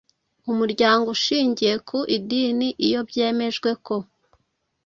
umuryango ushingiye ku idini iyo byemejwe ko